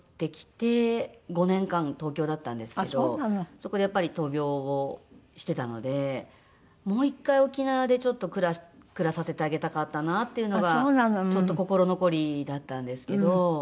そこでやっぱり闘病をしてたのでもう１回沖縄でちょっと暮らさせてあげたかったなっていうのがちょっと心残りだったんですけど。